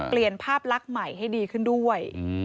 เปลี่ยนภาพลักษณ์ใหม่ให้ดีขึ้นด้วย